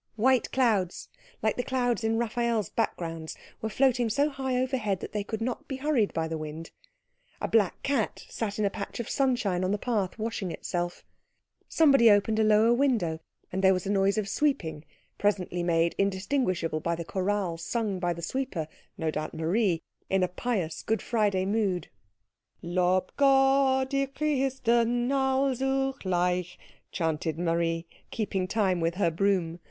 White clouds, like the clouds in Raphael's backgrounds, were floating so high overhead that they could not be hurried by the wind; a black cat sat in a patch of sunshine on the path washing itself; somebody opened a lower window, and there was a noise of sweeping, presently made indistinguishable by the chorale sung by the sweeper, no doubt Marie, in a pious, Good Friday mood. "Lob Gott ihr Christen allzugleich," chanted Marie, keeping time with her broom.